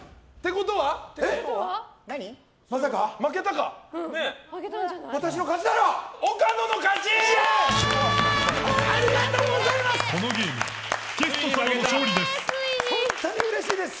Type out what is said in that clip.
このゲームゲスト様の勝利です！